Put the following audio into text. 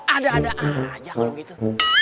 ada ada aja kalau gitu